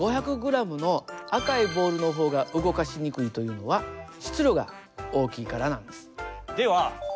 ５００ｇの赤いボールのほうが動かしにくいというのは「質量」が大きいからなんです。